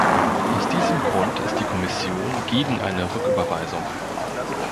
Aus diesem Grund ist die Kommission gegen eine Rücküberweisung.